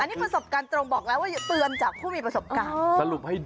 นี่ประสบการณ์ตรงบอกแล้วว่าเตือนจากผู้มีประสบการณ์